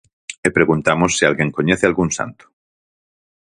E preguntamos se alguén coñece algún santo.